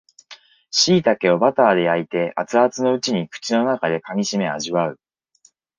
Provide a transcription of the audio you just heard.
しいたけをバターで焼いて熱々のうちに口の中で噛みしめ味わう